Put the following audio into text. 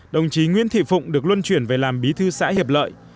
đồng chí nguyễn thị phụng được luân chuyển về làm bí thư xã hiệp lợi